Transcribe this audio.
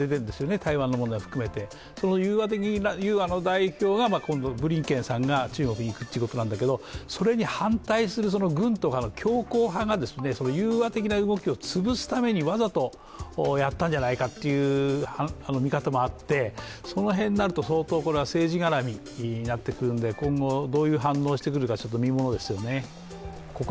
台湾の問題も含めて、その融和の代表が今度、ブリンケンさんが中国に行くということなんだけどそれに反対する軍などの強硬派が融和的な動きを潰すためにわざとやったんじゃないかという見方もあって、その辺になると相当政治絡みになってくるので今後どういう反応をしてくるか、見ものですよね。